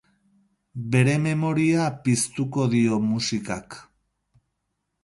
Bere memoria piztuko dio musikak.